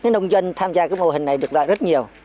nông dân tham gia cái mô hình này được ra rất nhiều